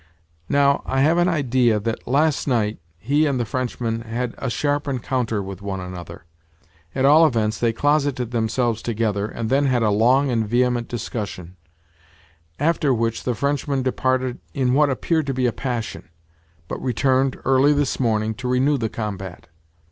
Now, I have an idea that, last night, he and the Frenchman had a sharp encounter with one another. At all events they closeted themselves together, and then had a long and vehement discussion; after which the Frenchman departed in what appeared to be a passion, but returned, early this morning, to renew the combat.